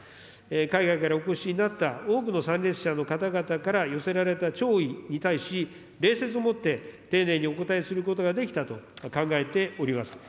海外からお越しになった多くの参列者の方々から寄せられた弔意に対し、礼節をもって丁寧にお応えすることができたと考えております。